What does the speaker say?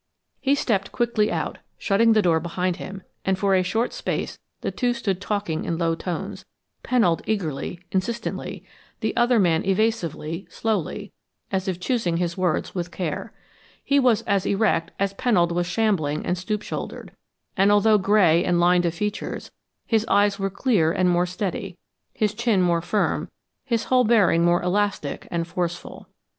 He stepped quickly out, shutting the door behind him, and for a short space the two stood talking in low tones Pennold eagerly, insistently, the other man evasively, slowly, as if choosing his words with care. He was as erect as Pennold was shambling and stoop shouldered, and although gray and lined of features, his eyes were clear and more steady, his chin more firm, his whole bearing more elastic and forceful.